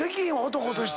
男として。